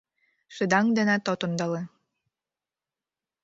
Шыдаҥ денат от ондале.